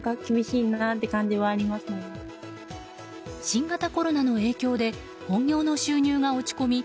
新型コロナの影響で本業の収入が落ち込み